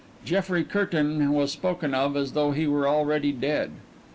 Jeffrey Curtain was spoken of as though he were already dead.